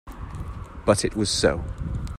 But it was so.